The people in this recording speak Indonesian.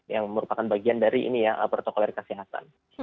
yang merupakan bagian dari ini ya protokol kesehatan